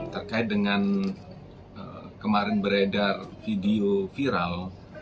terkait dengan kemarin beredar video viral